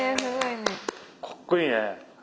かっこいいね。